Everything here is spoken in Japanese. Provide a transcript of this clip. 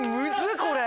これ。